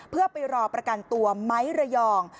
เพื่อไปรอประกันตัวไม้ระยอง